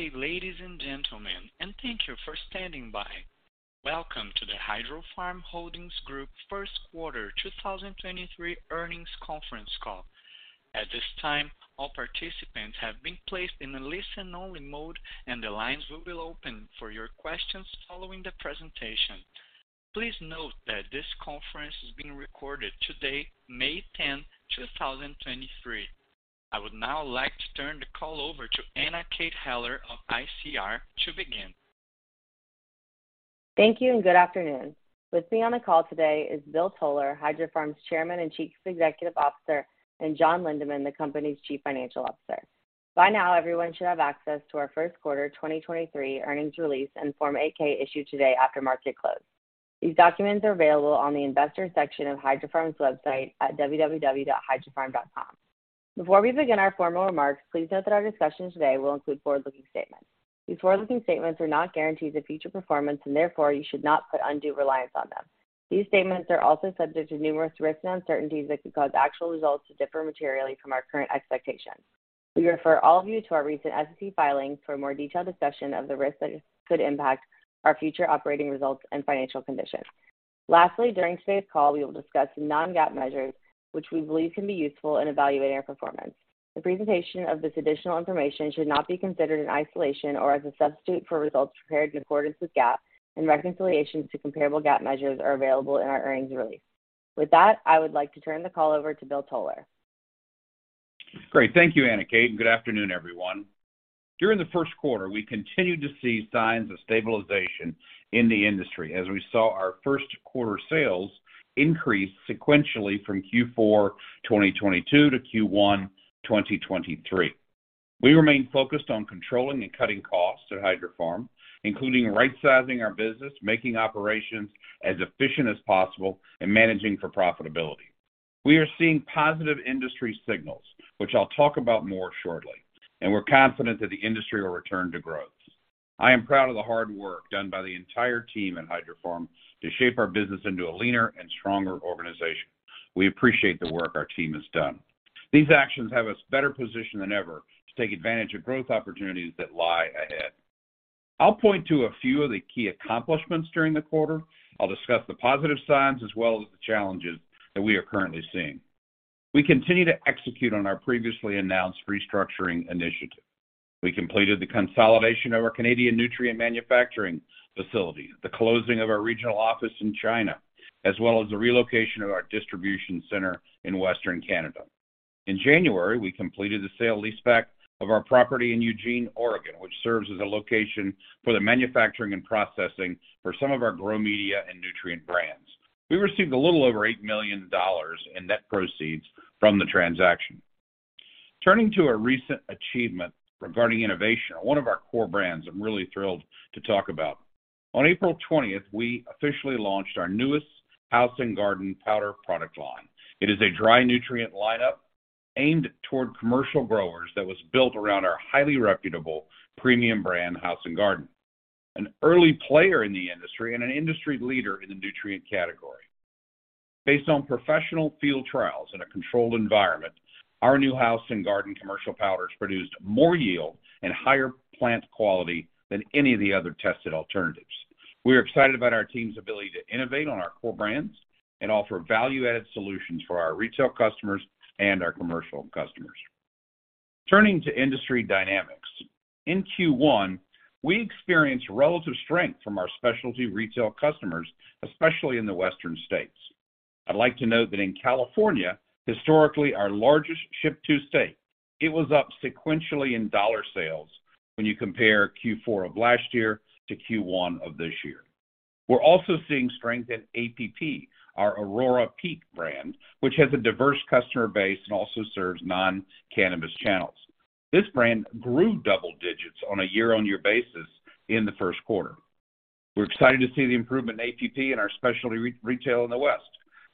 Good day, ladies and gentlemen, and thank you for standing by. Welcome to the Hydrofarm Holdings Group First Quarter 2023 Earnings Conference Call. At this time, all participants have been placed in a listen-only mode, and the lines will be open for your questions following the presentation. Please note that this conference is being recorded today, May 10th, 2023. I would now like to turn the call over to Anna Kate Heller of ICR to begin. Thank you and good afternoon. With me on the call today is Bill Toler, Hydrofarm's Chairman and Chief Executive Officer, and John Lindeman, the company's Chief Financial Officer. By now, everyone should have access to our first quarter 2023 earnings release and Form 8-K issued today after market close. These documents are available on the investors section of Hydrofarm's website at www.hydrofarm.com. Before we begin our formal remarks, please note that our discussion today will include forward-looking statements. These forward-looking statements are not guarantees of future performance, and therefore, you should not put undue reliance on them. These statements are also subject to numerous risks and uncertainties that could cause actual results to differ materially from our current expectations. We refer all of you to our recent SEC filings for a more detailed discussion of the risks that could impact our future operating results and financial conditions. Lastly, during today's call, we will discuss some non-GAAP measures which we believe can be useful in evaluating our performance. The presentation of this additional information should not be considered in isolation or as a substitute for results prepared in accordance with GAAP and reconciliation to comparable GAAP measures are available in our earnings release. With that, I would like to turn the call over to Bill Toler. Great. Thank you, Anna Kate, good afternoon, everyone. During the first quarter, we continued to see signs of stabilization in the industry as we saw our first quarter sales increase sequentially from Q4 2022 to Q1 2023. We remain focused on controlling and cutting costs at Hydrofarm, including right-sizing our business, making operations as efficient as possible, and managing for profitability. We are seeing positive industry signals, which I'll talk about more shortly, and we're confident that the industry will return to growth. I am proud of the hard work done by the entire team at Hydrofarm to shape our business into a leaner and stronger organization. We appreciate the work our team has done. These actions have us better positioned than ever to take advantage of growth opportunities that lie ahead. I'll point to a few of the key accomplishments during the quarter. I'll discuss the positive signs as well as the challenges that we are currently seeing. We continue to execute on our previously announced restructuring initiative. We completed the consolidation of our Canadian nutrient manufacturing facility, the closing of our regional office in China, as well as the relocation of our distribution center in Western Canada. In January, we completed the sale-leaseback of our property in Eugene, Oregon, which serves as a location for the manufacturing and processing for some of our grow media and nutrient brands. We received a little over $8 million in net proceeds from the transaction. Turning to a recent achievement regarding innovation on one of our core brands I'm really thrilled to talk about. On April 20th, we officially launched our newest House & Garden powder product line. It is a dry nutrient lineup aimed toward commercial growers that was built around our highly reputable premium brand, House & Garden, an early player in the industry and an industry leader in the nutrient category. Based on professional field trials in a controlled environment, our new House & Garden commercial powders produced more yield and higher plant quality than any of the other tested alternatives. We are excited about our team's ability to innovate on our core brands and offer value-added solutions for our retail customers and our commercial customers. Turning to industry dynamics. In Q1, we experienced relative strength from our specialty retail customers, especially in the Western states. I'd like to note that in California, historically our largest ship-to state, it was up sequentially in dollar sales when you compare Q4 of last year to Q1 of this year. We're also seeing strength in APP, our Aurora Peat brand, which has a diverse customer base and also serves non-cannabis channels. This brand grew double digits on a year-on-year basis in the 1st quarter. We're excited to see the improvement in APP and our specialty retail in the West.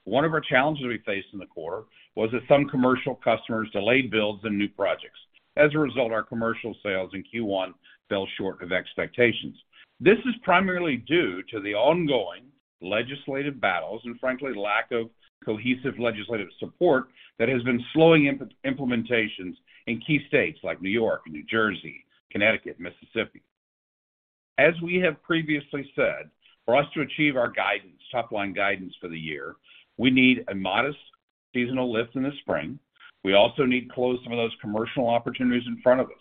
One of our challenges we faced in the quarter was that some commercial customers delayed builds in new projects. As a result, our commercial sales in Q1 fell short of expectations. This is primarily due to the ongoing legislative battles and frankly, lack of cohesive legislative support that has been slowing implementations in key states like New York, New Jersey, Connecticut, Mississippi. As we have previously said, for us to achieve our guidance, top-line guidance for the year, we need a modest seasonal lift in the spring. We also need to close some of those commercial opportunities in front of us.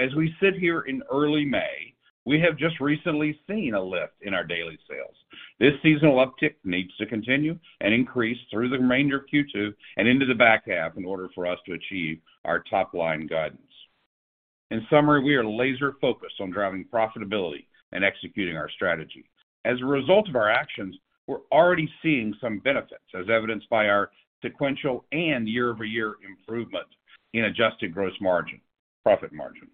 As we sit here in early May, we have just recently seen a lift in our daily sales. This seasonal uptick needs to continue and increase through the remainder of Q2 and into the back half in order for us to achieve our top-line guidance. In summary, we are laser-focused on driving profitability and executing our strategy. As a result of our actions, we're already seeing some benefits as evidenced by our sequential and year-over-year improvement in adjusted gross margin, profit margin.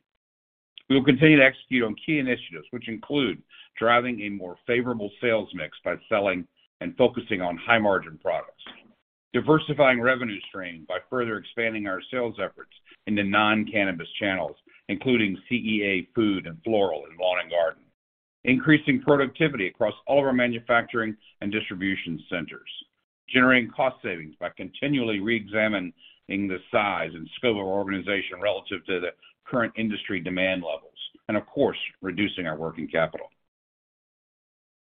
We will continue to execute on key initiatives, which include driving a more favorable sales mix by selling and focusing on high margin products. Diversifying revenue stream by further expanding our sales efforts into non-cannabis channels, including CEA food and floral and lawn and garden. Increasing productivity across all of our manufacturing and distribution centers. Generating cost savings by continually reexamining the size and scope of our organization relative to the current industry demand levels, and of course, reducing our working capital.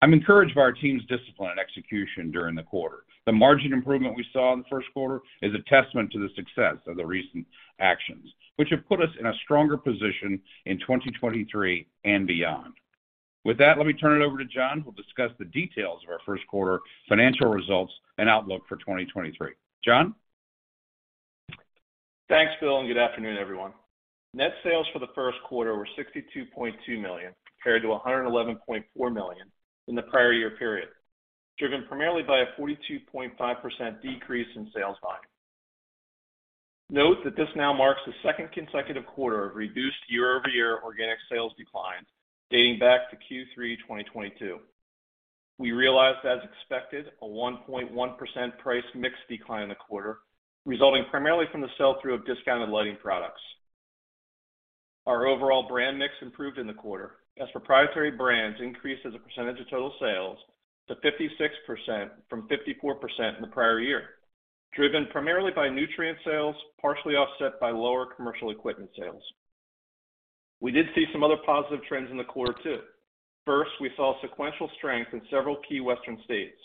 I'm encouraged by our team's discipline and execution during the quarter. The margin improvement we saw in the first quarter is a testament to the success of the recent actions, which have put us in a stronger position in 2023 and beyond. With that, let me turn it over to John, who will discuss the details of our first quarter financial results and outlook for 2023. John? Thanks, Bill, good afternoon, everyone. Net sales for the first quarter were $62.2 million, compared to $111.4 million in the prior year period, driven primarily by a 42.5% decrease in sales volume. Note that this now marks the second consecutive quarter of reduced year-over-year organic sales declines dating back to Q3 2022. We realized, as expected, a 1.1% price mix decline in the quarter, resulting primarily from the sell-through of discounted lighting products. Our overall brand mix improved in the quarter as proprietary brands increased as a percentage of total sales to 56% from 54% in the prior year, driven primarily by nutrient sales, partially offset by lower commercial equipment sales. We did see some other positive trends in the quarter, too. First, we saw sequential strength in several key Western states.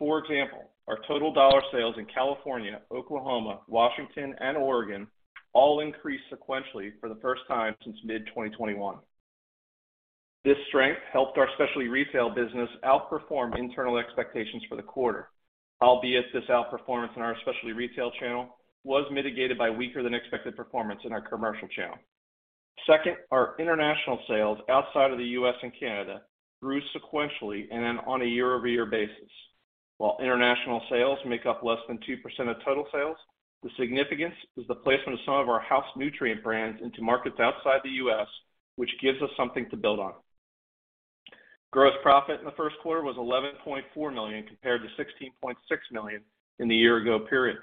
Our total of dollar sales in California, Oklahoma, Washington, and Oregon all increased sequentially for the first time since mid-2021. This strength helped our specialty retail business outperform internal expectations for the quarter, albeit this outperformance in our specialty retail channel was mitigated by weaker than expected performance in our commercial channel. Our international sales outside of the U.S. and Canada grew sequentially and on a year-over-year basis. While international sales make up less than 2% of total sales, the significance is the placement of some of our house nutrient brands into markets outside the U.S., which gives us something to build on. Gross profit in the first quarter was $11.4 million, compared to $16.6 million in the year-ago period.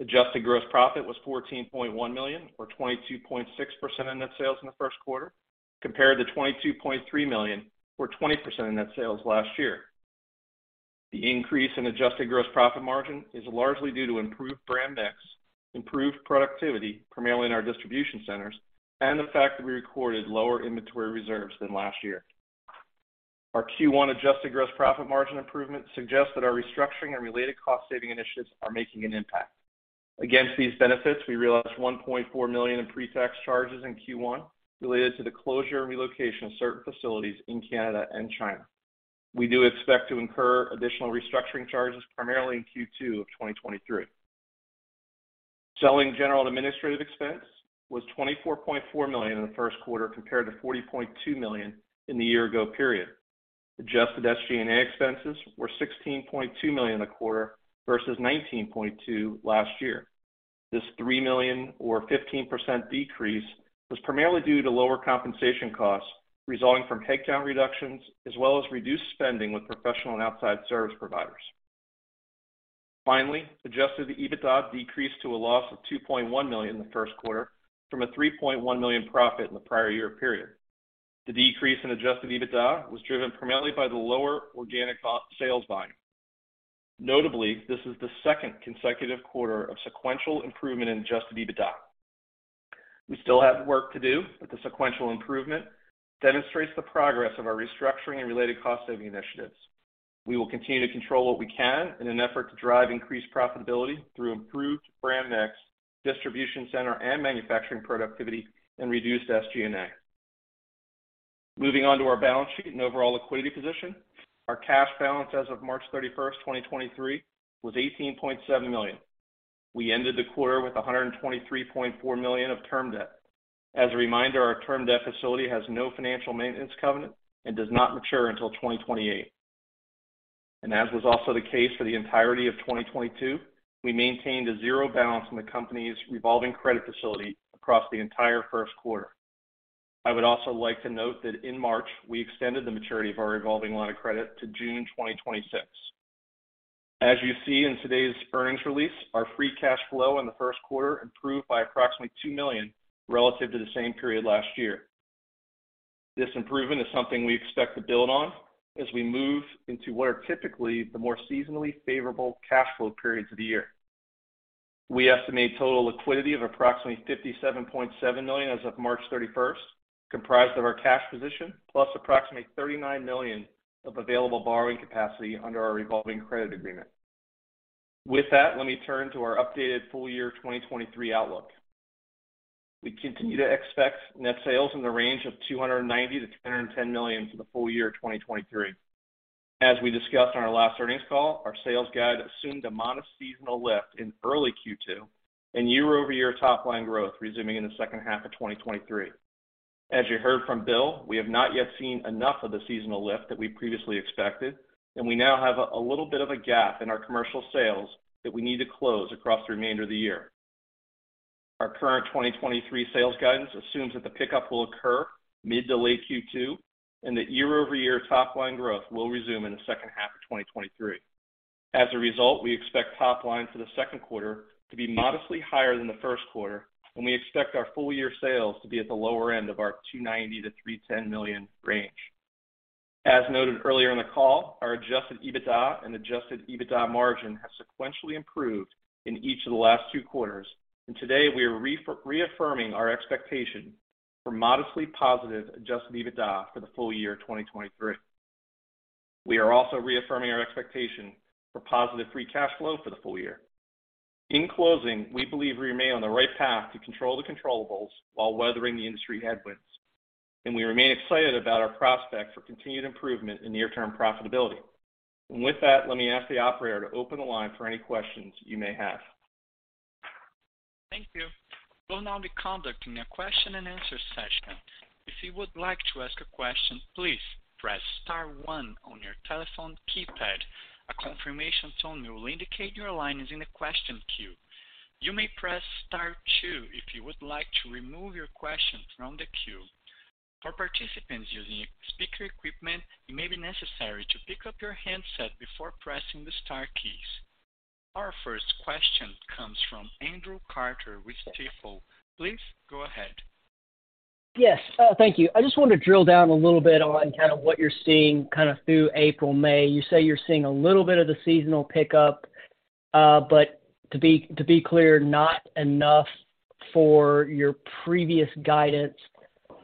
Adjusted gross profit was $14.1 million or 22.6% of net sales in the first quarter, compared to $22.3 million or 20% of net sales last year. The increase in adjusted gross profit margin is largely due to improved brand mix, improved productivity, primarily in our distribution centers, and the fact that we recorded lower inventory reserves than last year. Our Q1 adjusted gross profit margin improvement suggests that our restructuring and related cost-saving initiatives are making an impact. Against these benefits, we realized $1.4 million in pre-tax charges in Q1 related to the closure and relocation of certain facilities in Canada and China. We do expect to incur additional restructuring charges primarily in Q2 of 2023. Selling, general, and administrative expense was $24.4 million in the first quarter, compared to $40.2 million in the year-ago period. adjusted SG&A expenses were $16.2 million in the quarter versus $19.2 million last year. This $3 million or 15% decrease was primarily due to lower compensation costs resulting from headcount reductions, as well as reduced spending with professional and outside service providers. Finally, Adjusted EBITDA decreased to a loss of $2.1 million in the first quarter from a $3.1 million profit in the prior year period. The decrease in Adjusted EBITDA was driven primarily by the lower organic sales volume. Notably, this is the second consecutive quarter of sequential improvement in Adjusted EBITDA. We still have work to do, but the sequential improvement demonstrates the progress of our restructuring and related cost-saving initiatives. We will continue to control what we can in an effort to drive increased profitability through improved brand mix, distribution center, and manufacturing productivity, and reduced SG&A. Moving on to our balance sheet and overall liquidity position. Our cash balance as of March 31st, 2023, was $18.7 million. We ended the quarter with $123.4 million of term debt. As a reminder, our term debt facility has no financial maintenance covenant and does not mature until 2028. As was also the case for the entirety of 2022, we maintained a 0 balance in the company's revolving credit facility across the entire first quarter. I would also like to note that in March, we extended the maturity of our revolving line of credit to June 2026. As you see in today's earnings release, our free cash flow in the first quarter improved by approximately $2 million relative to the same period last year. This improvement is something we expect to build on as we move into what are typically the more seasonally favorable cash flow periods of the year. We estimate total liquidity of approximately $57.7 million as of March 31st, comprised of our cash position, plus approximately $39 million of available borrowing capacity under our revolving credit agreement. With that, let me turn to our updated full year 2023 outlook. We continue to expect net sales in the range of $290 million-$310 million for the full year 2023. As we discussed on our last earnings call, our sales guide assumed a modest seasonal lift in early Q2 and year-over-year top line growth resuming in the second half of 2023. As you heard from Bill, we have not yet seen enough of the seasonal lift that we previously expected, and we now have a little bit of a gap in our commercial sales that we need to close across the remainder of the year. Our current 2023 sales guidance assumes that the pickup will occur mid to late Q2 and that year-over-year top line growth will resume in the second half of 2023. As a result, we expect top line for the second quarter to be modestly higher than the first quarter, and we expect our full year sales to be at the lower end of our $290 million-$310 million range. As noted earlier in the call, our Adjusted EBITDA and Adjusted EBITDA margin have sequentially improved in each of the last two quarters. Today we are reaffirming our expectation for modestly positive Adjusted EBITDA for the full year 2023. We are also reaffirming our expectation for positive free cash flow for the full year. In closing, we believe we remain on the right path to control the controllables while weathering the industry headwinds. We remain excited about our prospects for continued improvement in near-term profitability. With that, let me ask the operator to open the line for any questions you may have. Thank you. We'll now be conducting a question and answer session. If you would like to ask a question, please press star one on your telephone keypad. A confirmation tone will indicate your line is in the question queue. You may press star two if you would like to remove your question from the queue. For participants using speaker equipment, it may be necessary to pick up your handset before pressing the star keys. Our first question comes from Andrew Carter with Stifel. Please go ahead. Yes. Thank you. I just wanted to drill down a little bit on kind of what you're seeing kind of through April, May. You say you're seeing a little bit of the seasonal pickup, but to be clear, not enough for your previous guidance.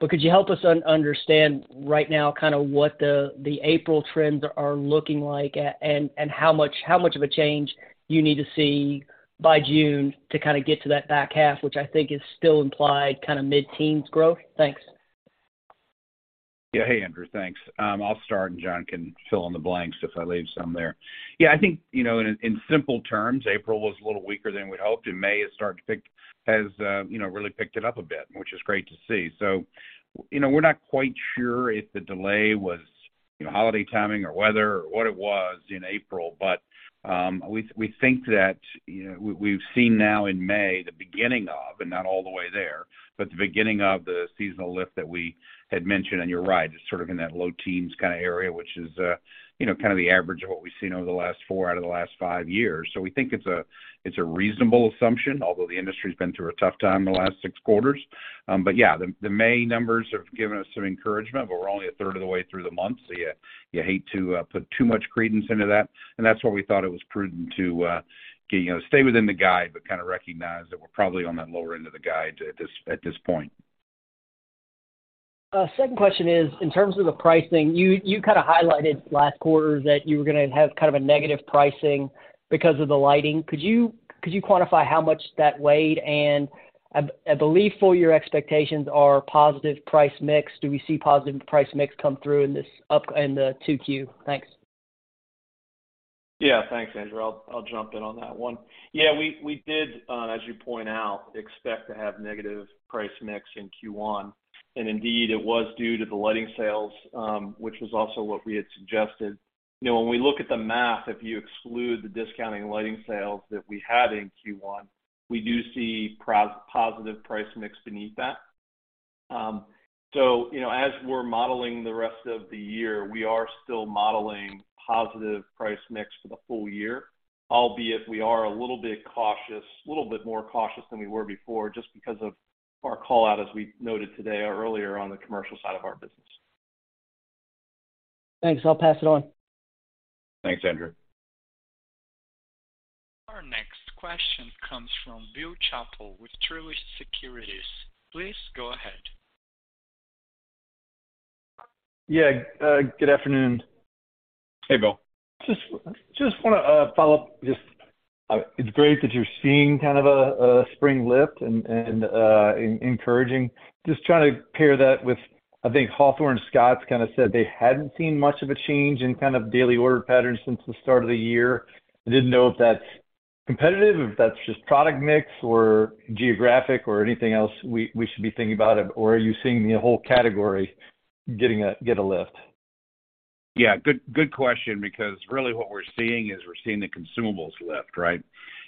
Could you help us understand right now kind of what the April trends are looking like at and how much of a change you need to see by June to kind of get to that back half, which I think is still implied kind of mid-teens growth? Thanks. Hey, Andrew. Thanks. I'll start. John can fill in the blanks if I leave some there. I think, you know, in simple terms, April was a little weaker than we'd hoped. May has really picked it up a bit, which is great to see. You know, we're not quite sure if the delay was, you know, holiday timing or weather or what it was in April. We think that, you know, we've seen now in May the beginning of, and not all the way there, but the beginning of the seasonal lift that we had mentioned. You're right. It's sort of in that low teens percent kind of area, which is, you know, kind of the average of what we've seen over the last four out of the last five years. We think it's a, it's a reasonable assumption, although the industry's been through a tough time in the last six quarters. Yeah, the May numbers have given us some encouragement, but we're only a third of the way through the month, so you hate to put too much credence into that. That's why we thought it was prudent to, you know, stay within the guide, but kind of recognize that we're probably on that lower end of the guide at this, at this point. Second question is, in terms of the pricing, you kind of highlighted last quarter that you were gonna have kind of a negative pricing because of the lighting. Could you quantify how much that weighed? I believe full year expectations are positive price mix. Do we see positive price mix come through in the 2Q? Thanks. Yeah. Thanks, Andrew. I'll jump in on that one. Yeah, we did, as you point out, expect to have negative price mix in Q1. Indeed, it was due to the lighting sales, which was also what we had suggested. You know, when we look at the math, if you exclude the discounting lighting sales that we had in Q1, we do see positive price mix beneath that. You know, as we're modeling the rest of the year, we are still modeling positive price mix for the full year, albeit we are a little bit cautious, a little bit more cautious than we were before just because of our call-out, as we noted today earlier, on the commercial side of our business. Thanks. I'll pass it on. Thanks, Andrew. Our next question comes from Bill Chappell with Truist Securities. Please go ahead. Yeah, good afternoon. Hey, Bill. Just wanna follow up. It's great that you're seeing kind of a spring lift and encouraging. Just trying to pair that with, I think Hawthorne Scotts kind of said they hadn't seen much of a change in kind of daily order patterns since the start of the year. I didn't know if that's competitive or if that's just product mix or geographic or anything else we should be thinking about it, or are you seeing the whole category getting a lift? Yeah. Good question because really what we're seeing is we're seeing the consumables lift, right?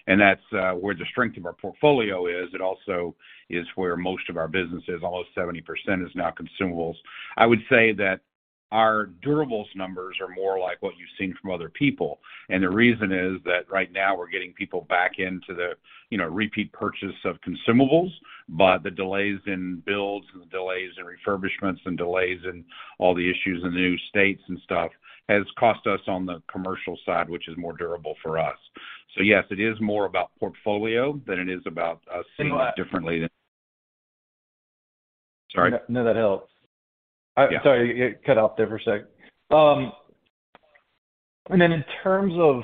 That's where the strength of our portfolio is. It also is where most of our business is. Almost 70% is now consumables. I would say that our durables numbers are more like what you've seen from other people. The reason is that right now we're getting people back into the, you know, repeat purchase of consumables. The delays in builds and the delays in refurbishments and delays in all the issues in the new states and stuff has cost us on the commercial side, which is more durable for us. Yes, it is more about portfolio than it is about us seeing it differently than Sorry? No, no, that helps. Yeah. Sorry, it cut out there for a sec. In terms of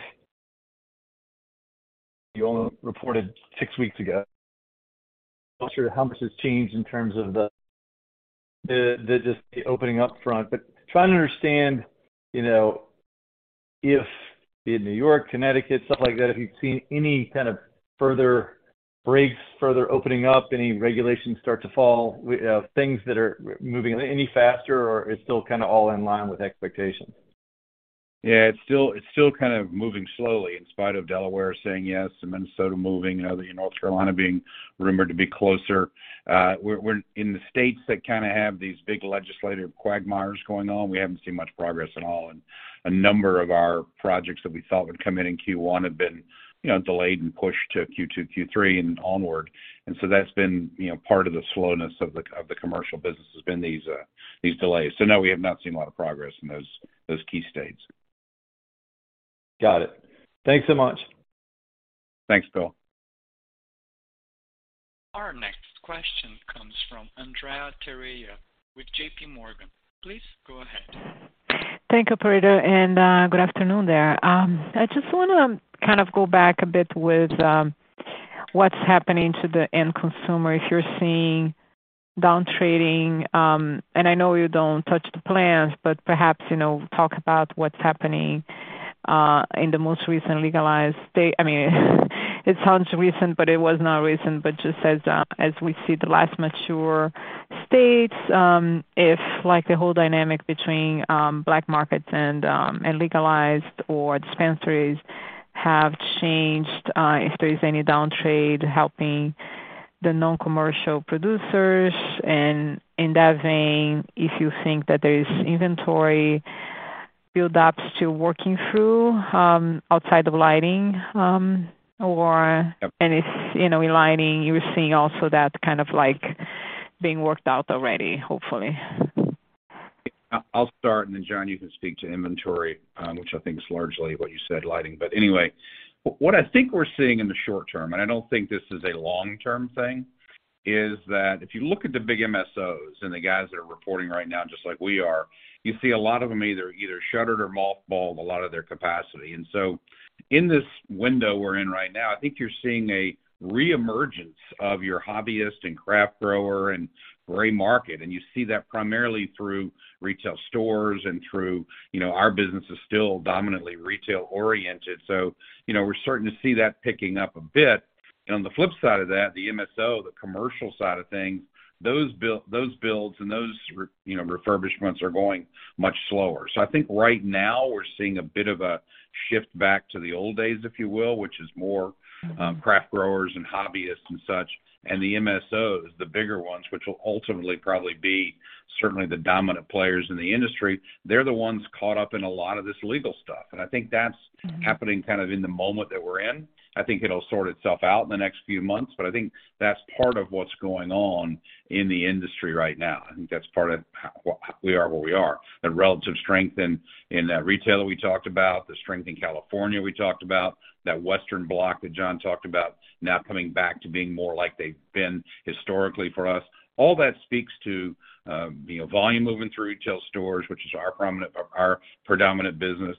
you all reported six weeks ago, not sure how much has changed in terms of the just the opening up front. Trying to understand, you know, if in New York, Connecticut, stuff like that, if you've seen any kind of further breaks, further opening up, any regulations start to fall, things that are moving any faster or it's still kinda all in line with expectations? Yeah, it's still kind of moving slowly in spite of Delaware saying yes and Minnesota moving, you know, North Carolina being rumored to be closer. In the states that kind of have these big legislative quagmires going on, we haven't seen much progress at all. A number of our projects that we thought would come in in Q1 have been, you know, delayed and pushed to Q2, Q3 and onward. That's been, you know, part of the slowness of the commercial business, has been these delays. No, we have not seen a lot of progress in those key states. Got it. Thanks so much. Thanks, Bill. Our next question comes from Andrea Teixeira with JPMorgan. Please go ahead. Thank you, operator, good afternoon there. I just wanna kind of go back a bit with what's happening to the end consumer, if you're seeing downtrading. I know you don't touch the plans, but perhaps, you know, talk about what's happening in the most recent legalized state. I mean, it sounds recent, but it was not recent, but just as as we see the last mature states, if like the whole dynamic between black markets and legalized or dispensaries have changed, if there is any down trade helping the non-commercial producers? In that vein, if you think that there is inventory build-ups you're working through, outside of lighting, or-? Yep. If, you know, in lighting, you were seeing also that kind of like being worked out already, hopefully. I'll start. Then John, you can speak to inventory, which I think is largely what you said, lighting. Anyway, what I think we're seeing in the short term, and I don't think this is a long-term thing, is that if you look at the big MSOs and the guys that are reporting right now, just like we are, you see a lot of them either shuttered or mothballed a lot of their capacity. In this window we're in right now, I think you're seeing a reemergence of your hobbyist and craft grower and gray market, and you see that primarily through retail stores and through, you know, our business is still dominantly retail oriented. You know, we're starting to see that picking up a bit. On the flip side of that, the MSO, the commercial side of things, those builds and those, you know, refurbishments are going much slower. I think right now we're seeing a bit of a shift back to the old days, if you will, which is more, craft growers and hobbyists and such. The MSOs, the bigger ones, which will ultimately probably be certainly the dominant players in the industry, they're the ones caught up in a lot of this legal stuff, and I think that's. Mm-hmm. -happening kind of in the moment that we're in. I think it'll sort itself out in the next few months, but I think that's part of what's going on in the industry right now, and that's part of how we are where we are. The relative strength in that retail that we talked about, the strength in California we talked about, that Western block that John talked about now coming back to being more like they've been historically for us. All that speaks to, you know, volume moving through retail stores, which is our prominent or our predominant business,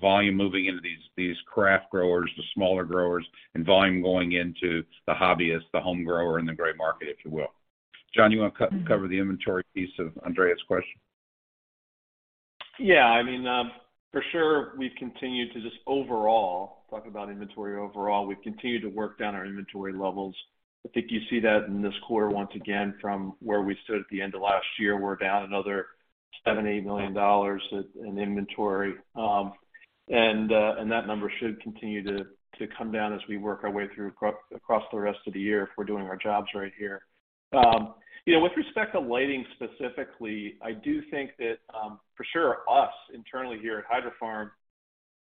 volume moving into these craft growers, the smaller growers, and volume going into the hobbyists, the home grower, and the gray market, if you will. John, you wanna co-cover the inventory piece of Andrea's question? I mean, for sure we've continued to just overall talk about inventory. Overall, we've continued to work down our inventory levels. I think you see that in this quarter once again from where we stood at the end of last year. We're down another $7 million-$8 million in inventory. That number should continue to come down as we work our way through across the rest of the year if we're doing our jobs right here. You know, with respect to lighting specifically, I do think that for sure us internally here at Hydrofarm,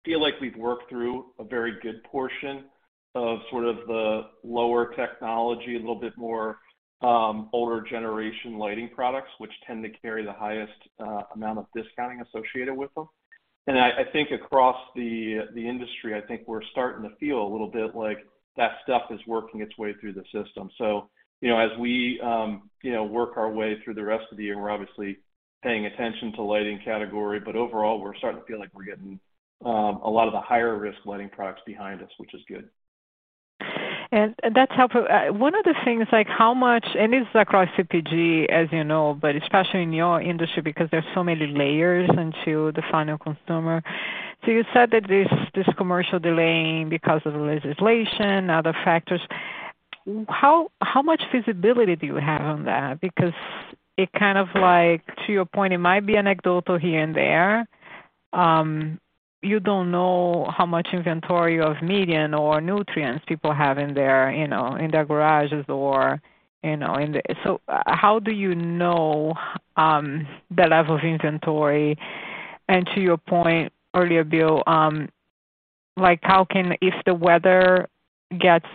feel like we've worked through a very good portion of sort of the lower technology, a little bit more older generation lighting products, which tend to carry the highest amount of discounting associated with them. I think across the industry, I think we're starting to feel a little bit like that stuff is working its way through the system. You know, as we, you know, work our way through the rest of the year, and we're obviously paying attention to lighting category, but overall, we're starting to feel like we're getting a lot of the higher risk lighting products behind us, which is good. That's helpful. One of the things like how much, and it's across CPG as you know, but especially in your industry because there's so many layers until the final consumer. You said that this commercial delaying because of the legislation, other factors, how much visibility do you have on that? Because it kind of like, to your point, it might be anecdotal here and there. You don't know how much inventory of media or nutrients people have in their, you know, in their garages or, you know, in the. How do you know the level of inventory? To your point earlier, Bill, like how can. If the weather gets,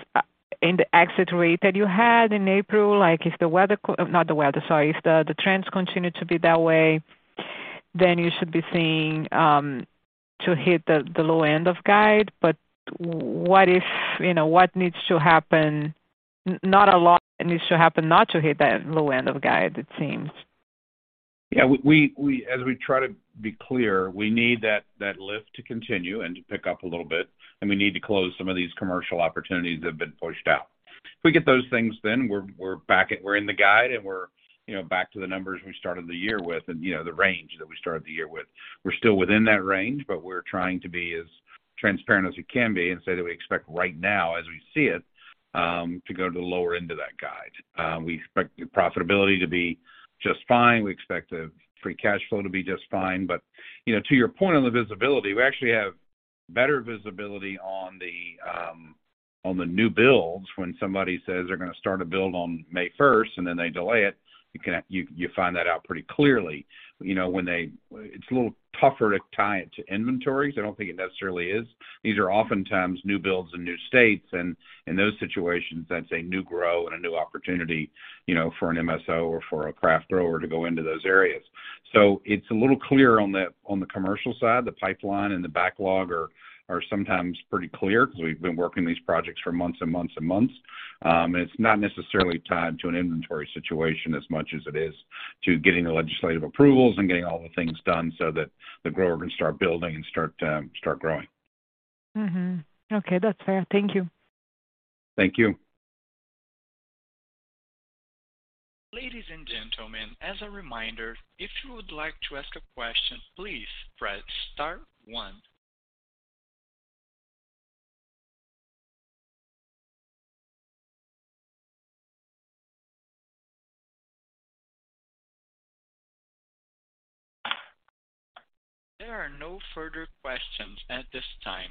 in the exit rate that you had in April, like if the weather not the weather, sorry, if the trends continue to be that way, then you should be seeing, to hit the low end of guide. What if, you know, what needs to happen? Not a lot needs to happen not to hit that low end of guide, it seems. Yeah. We, as we try to be clear, we need that lift to continue and to pick up a little bit. We need to close some of these commercial opportunities that have been pushed out. If we get those things, we're back at, we're in the guide and we're, you know, back to the numbers we started the year with and, you know, the range that we started the year with. We're still within that range. We're trying to be as transparent as we can be and say that we expect right now as we see it, to go to the lower end of that guide. We expect the profitability to be just fine. We expect the free cash flow to be just fine. You know, to your point on the visibility, we actually have better visibility on the new builds. When somebody says they're gonna start a build on May first and then they delay it, you can find that out pretty clearly. You know, it's a little tougher to tie it to inventories. I don't think it necessarily is. These are oftentimes new builds in new states, and in those situations, that's a new grow and a new opportunity, you know, for an MSO or for a craft grower to go into those areas. It's a little clearer on the commercial side. The pipeline and the backlog are sometimes pretty clear 'cause we've been working these projects for months and months and months. It's not necessarily tied to an inventory situation as much as it is to getting the legislative approvals and getting all the things done so that the grower can start building and start growing. Mm-hmm. Okay. That's fair. Thank you. Thank you. Ladies and gentlemen, as a reminder, if you would like to ask a question, please press star one. There are no further questions at this time.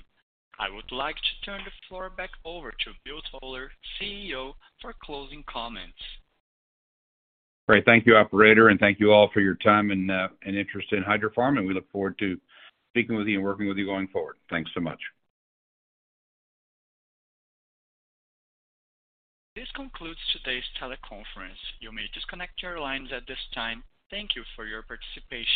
I would like to turn the floor back over to Bill Toler, CEO, for closing comments. Great. Thank you, operator, and thank you all for your time and interest in Hydrofarm, and we look forward to speaking with you and working with you going forward. Thanks so much. This concludes today's teleconference. You may disconnect your lines at this time. Thank you for your participation.